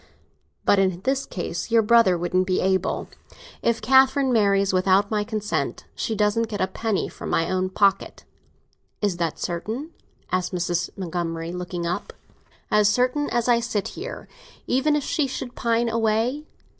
But in this case your brother wouldn't be able. If Catherine marries without my consent, she doesn't get a penny from my own pocket." "Is that certain?" asked Mrs. Montgomery, looking up. "As certain as that I sit here!" "Even if she should pine away?"